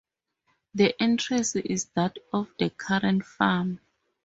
The entrance is that of the current farm.